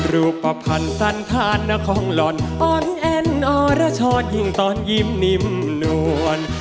ลูกประพันธ์สันทานหน้าของหลอนอ่อนแอนด์อ่อระชอดยิ่งตอนยิ่มนิ่มนวล